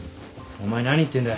お前何言ってんだ。